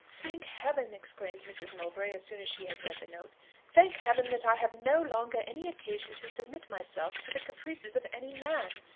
"Thank Heaven," exclaimed Mrs. Mowbray as soon as she had read the note, "Thank Heaven that I have no longer any occasion to submit myself to the caprices of any man!